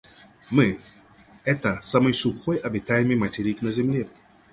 Мы — это самый сухой обитаемый материк на Земле.